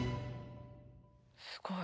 すごい。